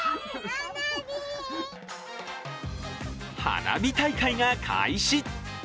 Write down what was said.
花火大会が開始。